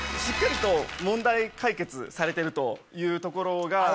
しっかりと問題解決されてるというところが。